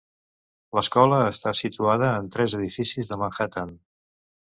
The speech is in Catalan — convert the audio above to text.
L'escola està situada en tres edificis de Manhattan.